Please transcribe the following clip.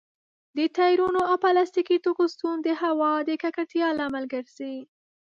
د ټايرونو او پلاستيکي توکو سون د هوا د ککړتيا لامل ګرځي.